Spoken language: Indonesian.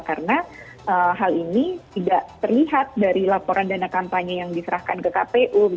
karena hal ini tidak terlihat dari laporan dana kampanye yang diserahkan ke kpu